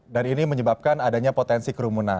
dan ini menyebabkan adanya potensi kerumunan